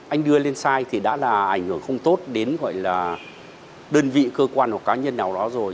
anh đưa lên site thì đã là ảnh hưởng không tốt đến gọi là đơn vị cơ quan hoặc cá nhân nào đó rồi